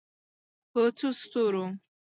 په څو ستورو